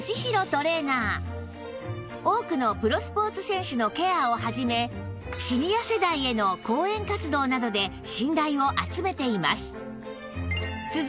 多くのプロスポーツ選手のケアを始めシニア世代への講演活動などで信頼を集めています